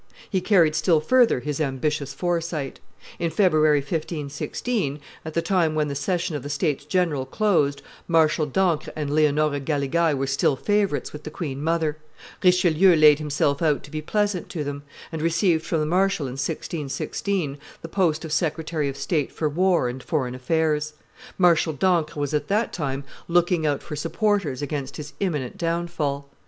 He carried still further his ambitious foresight; in February, 1615, at the time when the session of the states general closed, Marshal d'Ancre and Leonora Galigai were still favorites with the queen mother; Richelieu laid himself out to be pleasant to them, and received from the marshal in 1616 the post of secretary of state for war and foreign affairs. Marshal d'Ancre was at that time looking out for supports against his imminent downfall.